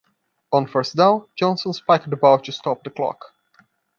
On first down, Johnson spiked the ball to stop the clock.